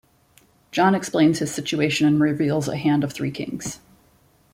John explains his situation and reveals a hand of three kings.